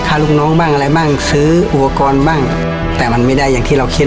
ลูกน้องบ้างอะไรบ้างซื้ออุปกรณ์บ้างแต่มันไม่ได้อย่างที่เราคิด